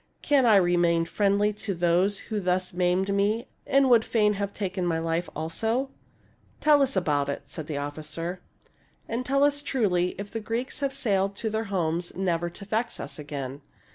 Can I remain friendly to those who thus maimed me and would fain have taken my life also }"" Tell us about it," said the officer ;" and tell us truly if the Greeks have sailed to their homes never to vex us again."